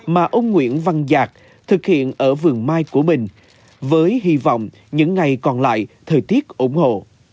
mà ông nguyễn văn giạc thực hiện ở vườn mai của mình với hy vọng những ngày còn lại thời tiết ủng hộ